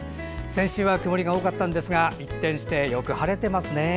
先週は曇りが多かったんですが一転してよく晴れてますね。